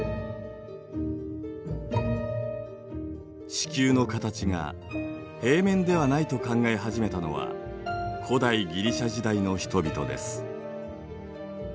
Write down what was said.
地球の形が平面ではないと考え始めたのは古代ギリシア時代の人々です。